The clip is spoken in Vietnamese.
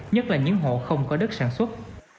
nhất là những hộ không có đất sản xuất